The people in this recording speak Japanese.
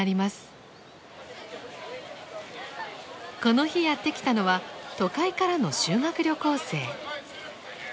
この日やって来たのは都会からの修学旅行生。